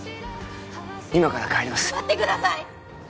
今から帰ります待ってください！